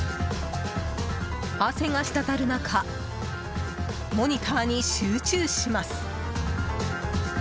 汗がしたたる中モニターに集中します。